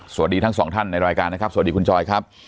สวัสดีทั้งสองท่านในรายการนะครับสวัสดีคุณจอยครับ